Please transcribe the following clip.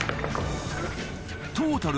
トータル